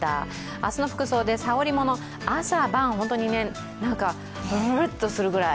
明日の服装です、羽織りもの、朝晩、ぶるぶるっとするぐらい。